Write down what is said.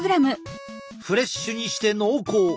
フレッシュにして濃厚！